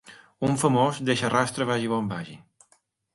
Un famós deixa rastre vagi on vagi.